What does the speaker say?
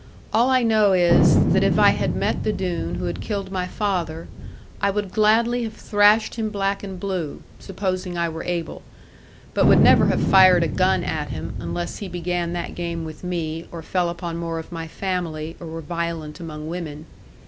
All I know is, that if I had met the Doone who had killed my father, I would gladly have thrashed him black and blue, supposing I were able; but would never have fired a gun at him, unless he began that game with me, or fell upon more of my family, or were violent among women.